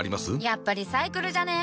やっぱリサイクルじゃね？